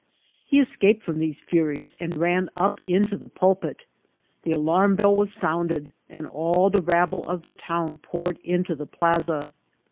He escaped from these furies and ran np into the pulpit. The alarm bell was somided, and all the rabble of the town poured into the plaza.